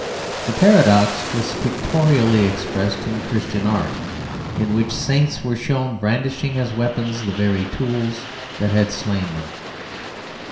The paradox was pictorially expressed in Christian art, in which saints were shown brandishing as weapons the very tools that had slain them.